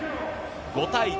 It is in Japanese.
５対１。